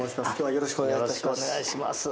よろしくお願いします。